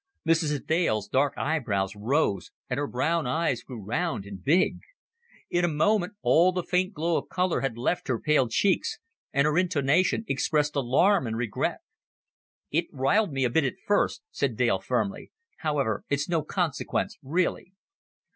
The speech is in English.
Mrs. Dale's dark eyebrows rose, and her brown eyes grew round and big; in a moment all the faint glow of color had left her pale cheeks, and her intonation expressed alarm and regret. "It riled me a bit at first," said Dale firmly. "However, it's no consequence really."